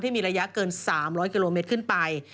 ที่มีระยะเกิน๓๐๐กมขึ้นไป